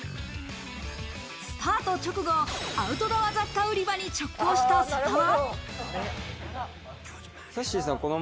スタート直後、アウトドア雑貨売り場に直行した曽田は。